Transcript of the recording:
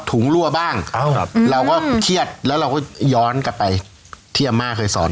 ถุงรั่วบ้างอ้าวครับอืมเราก็เครียดแล้วเราก็ย้อนกลับไปที่อาม่าเคยสอน